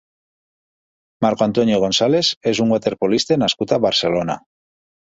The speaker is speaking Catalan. Marco Antonio González és un waterpolista nascut a Barcelona.